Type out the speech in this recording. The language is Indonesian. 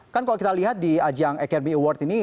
kan kalau kita lihat di ajang academy award ini